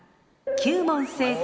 ９問正解。